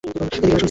এদিকে আসুন, স্যার।